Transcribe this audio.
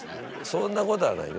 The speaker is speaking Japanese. そんなことはないよ。